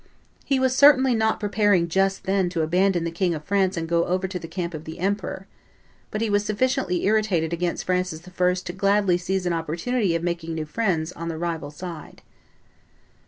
He was certainly not preparing just then to abandon the King of France and go over to the camp of the emperor; but he was sufficiently irritated against Francis I. to gladly seize an opportunity of making new friends on the rival side.